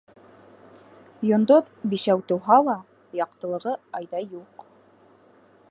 Йондоҙ бишәү тыуһа ла, яҡтылығы айҙай юҡ.